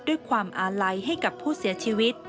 ด้วยความอาลัยให้กับผู้เสียชีวิต